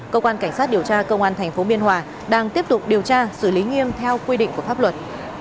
cơ quan cảnh sát điều tra công an tp biên hòa đang tiếp tục điều tra xử lý nghiêm theo quy định của pháp luật